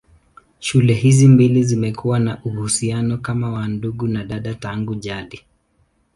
Shule hizi mbili zimekuwa na uhusiano kama wa ndugu na dada tangu jadi.